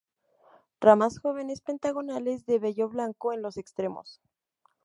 Ramas jóvenes pentagonales, de vello blanco en los extremos.